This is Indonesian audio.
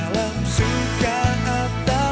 panjusan n partisan